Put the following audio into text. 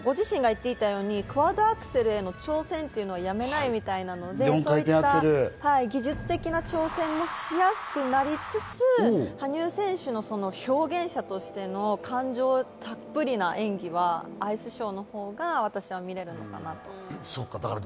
ご自身が言っていたように、クアッドアクセルの挑戦は諦めないということなので、技術的挑戦もしやすくなりつつ、羽生選手が表現者としての感情たっぷりの演技はアイスショーのほうが私は見られるのかなと。